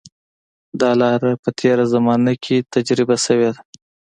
دا لاره په تېره زمانه کې تجربه شوې ده.